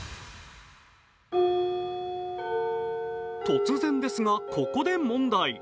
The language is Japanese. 突然ですが、ここで問題。